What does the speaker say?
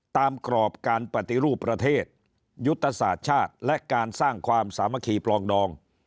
กรอบการปฏิรูปประเทศยุทธศาสตร์ชาติและการสร้างความสามัคคีปลองดอง